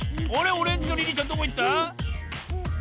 オレンジのリリーちゃんどこいった？